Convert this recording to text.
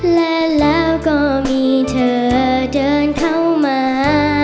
และแล้วก็มีเธอเดินเข้ามา